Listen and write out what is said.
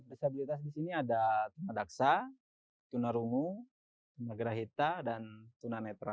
disabilitas disini ada tuna daksa tuna rungu tuna grahita dan tuna netra